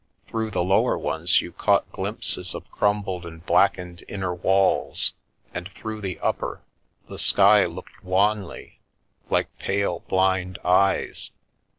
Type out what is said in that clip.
Through the lower ones you caught glimpses of crumbled and blackened inner walls, and through the upper the sky looked wanly, like pale, blind eyes.